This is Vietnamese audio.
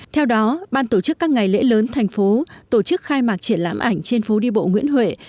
theo đó ban tổ chức các ngày lễ lớn thành phố tổ chức khai mạc triển lãm ảnh trên phố đi bộ nguyễn huệ